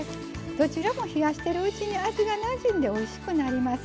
どちらも冷やしてるうちに味がなじんでおいしくなります。